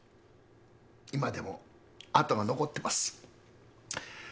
今でも跡が残ってます。